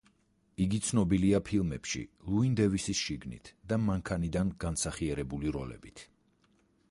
იგი ცნობილია ფილმებში „ლუინ დეივისის შიგნით“ და „მანქანიდან“ განსახიერებული როლებით.